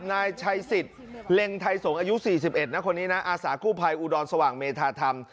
เงินไทยส่งอายุสี่สิบเอ็ดนะคนเนี่ยอาศากูภัยอุดรสว่างเมธาทำ